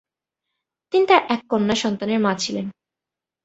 তিনি তার এক কন্যা সন্তানের মা ছিলেন।